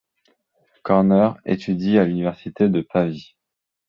Corner étudie à l'université de Pavie.